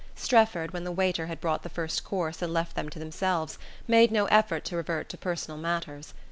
Strefford, when the waiter had brought the first course and left them to themselves, made no effort to revert to personal matters.